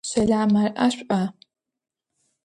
Щэламэр ӏэшӏуа?